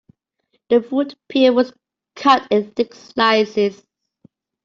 The fruit peel was cut in thick slices.